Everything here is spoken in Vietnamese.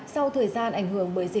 sau thời gian ảnh hưởng bệnh